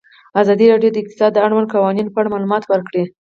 ازادي راډیو د اقتصاد د اړونده قوانینو په اړه معلومات ورکړي.